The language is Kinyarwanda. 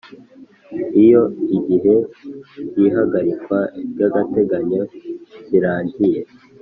Iyo igihe cy ihagarikwa ry agateganyo kirangiye